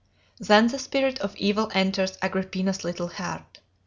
Then the spirit of evil enters Agrippina's little heart.